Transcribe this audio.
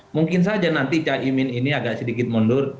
mungkin saja nanti cahaya nusantara bisa berpasangan dengan prabowo subianto